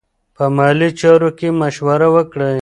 په مالي چارو کې مشوره وکړئ.